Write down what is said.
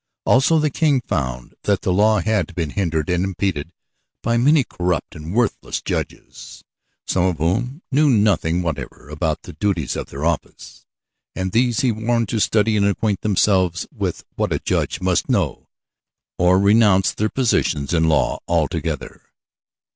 Also the King found that the law had been hindered and impeded by many corrupt and worthless judges, some of whom knew nothing whatever about the duties of their office and these he warned to study and acquaint themselves with what a judge must know or renounce their positions in law altogether.